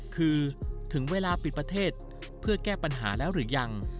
คือถึงเวลาปิดประเทศเพื่อแก้ปัญหาแล้วหรือยัง